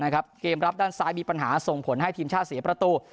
เกมรับด้านซ้ายมีปัญหาส่งผลให้ทีมชาติเสียประตู